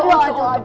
aduh aduh aduh